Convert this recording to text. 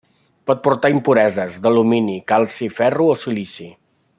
Pot portar impureses d'alumini, calci, ferro o silici.